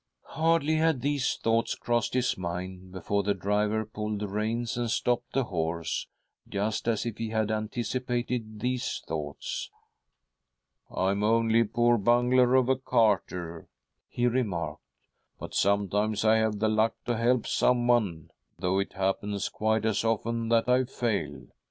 Hardly had these thoughts crossed his mind before the driver pulled the reins and stopped the horse, just as if he had anticipated these thoughts. " I am only a poor bungler of a carter," he remarked, " but sometimes I have the luck to help someone — though it happens quite as often that I fail.